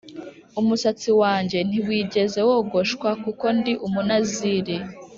umusatsi wanjye ntiwigeze wogoshwa kuko ndi Umunaziri